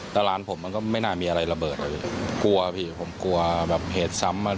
แต่ร้านผมก็ไม่น่ามีอะไรระเบิดครับพี่กลัวครับพี่ผมกลัวเหตุซ้ำ